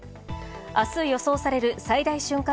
明日予想される最大瞬間